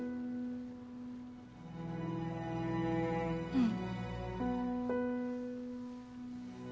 うん。